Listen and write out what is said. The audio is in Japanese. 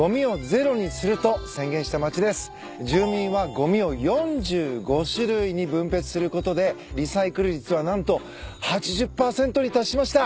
住民はごみを４５種類に分別することでリサイクル率は何と８０％に達しました。